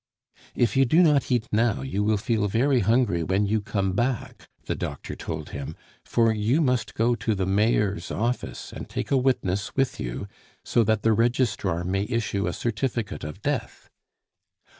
"If you do not eat now you will feel very hungry when you come back," the doctor told him, "for you must go to the mayor's office and take a witness with you, so that the registrar may issue a certificate of death."